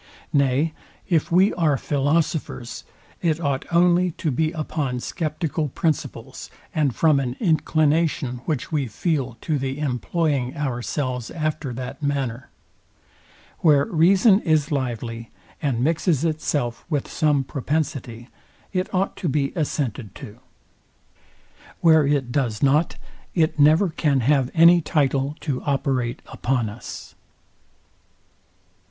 Nay if we are philosophers, it ought only to be upon sceptical principles, and from an inclination, which we feel to the employing ourselves after that manner. Where reason is lively, and mixes itself with some propensity, it ought to be assented to. Where it does not, it never can have any title to operate upon us.